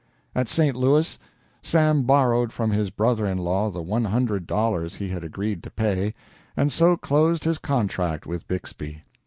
At St. Louis, Sam borrowed from his brother in law the one hundred dollars he had agreed to pay, and so closed his contract with Bixby.